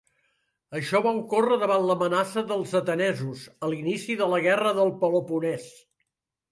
Això va ocórrer davant l'amenaça dels atenesos, a l'inici de la Guerra del Peloponès.